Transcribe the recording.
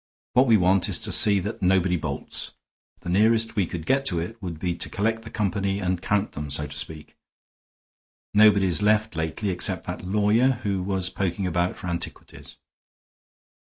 What we want is to see that nobody bolts; the nearest we could get to it would be to collect the company and count them, so to speak. Nobody's left lately, except that lawyer who was poking about for antiquities."